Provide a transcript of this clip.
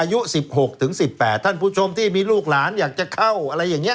อายุสิบหกถึงสิบแปดท่านผู้ชมที่มีลูกหลานอยากจะเข้าอะไรอย่างเงี้ย